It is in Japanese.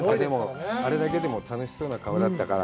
あれだけでも楽しそうな顔だったから。